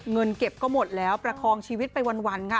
เงินเก็บก็หมดแล้วประคองชีวิตไปวันค่ะ